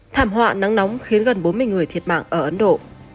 thảm họa nắng nóng khiến gần bốn mươi người thiệt mạng ở ấn độ